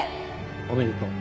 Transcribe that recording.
おめでとう。